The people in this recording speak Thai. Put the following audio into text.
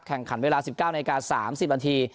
แข่งขันเวลา๑๙นาที๓๐นาที